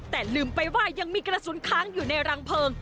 แต่ลืมไปว่ายังมีกระสุนค้างอยู่ในรังเพลิง